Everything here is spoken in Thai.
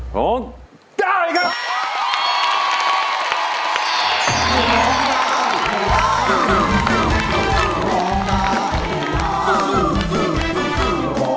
ร้องได้ครับ